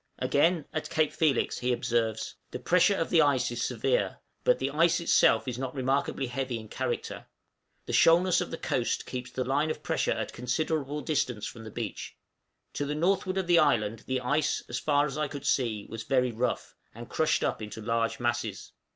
Again, at Cape Felix, he observes, "The pressure of the ice is severe, but the ice itself is not remarkably heavy in character; the shoalness of the coast keeps the line of pressure at considerable distance from the beach; to the northward of the island the ice, as far as I could see, was very rough, and crushed up into large masses."